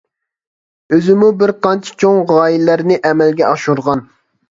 ئۆزىمۇ بىر قانچە چوڭ غايىلەرنى ئەمەلگە ئاشۇرغان.